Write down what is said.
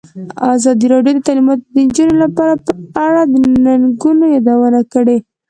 ازادي راډیو د تعلیمات د نجونو لپاره په اړه د ننګونو یادونه کړې.